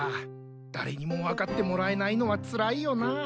誰にも分かってもらえないのはつらいよな。